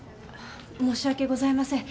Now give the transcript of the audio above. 申し訳ございません。